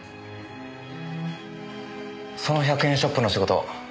その１００円ショップの仕事